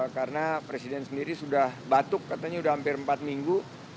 karena presiden sendiri sudah batuk katanya sudah hampir empat minggu